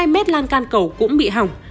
một mươi hai m lan can cầu cũng bị hỏng